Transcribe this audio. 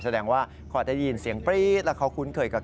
แสดงว่าเขาได้ยินเสียงปรี๊บ